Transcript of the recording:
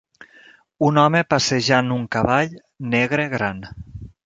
Un home passejant un cavall negre gran.